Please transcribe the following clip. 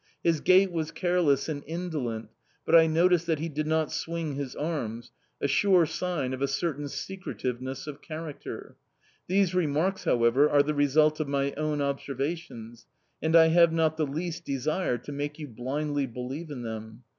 His gait was careless and indolent, but I noticed that he did not swing his arms a sure sign of a certain secretiveness of character. These remarks, however, are the result of my own observations, and I have not the least desire to make you blindly believe in them.